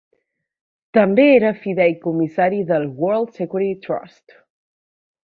També era fideïcomissari del World Security Trust.